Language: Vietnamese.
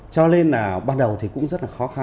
cho nên là ban đầu thì cũng rất là khó khăn